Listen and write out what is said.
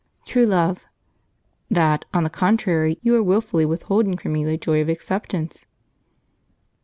True Love. "That, on the contrary, you are wilfully withholding from me the joy of acceptance."